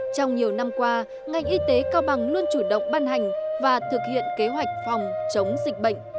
trong nhiều năm qua ngành y tế cao bằng luôn chủ động ban hành và thực hiện kế hoạch phòng chống dịch bệnh